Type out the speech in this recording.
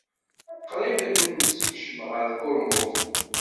Qrib ad kem-nessekcem ɣer tkurmut.